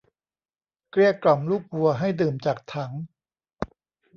เกลี้ยกล่อมลูกวัวให้ดื่มจากถัง